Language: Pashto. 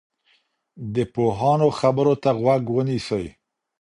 د پوهانو خبرو ته غوږ ونیسئ.